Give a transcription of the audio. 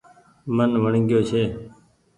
من وڻگيو ڇي۔